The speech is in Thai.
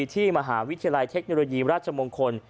ที่มหาวิทยาลัยเทคโนโลยีราชมงคล